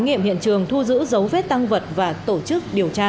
nghiệm hiện trường thu giữ dấu vết tăng vật và tổ chức điều tra